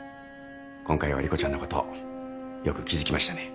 今回は莉子ちゃんのことよく気付きましたね。